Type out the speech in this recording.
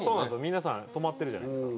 皆さん止まってるじゃないですか。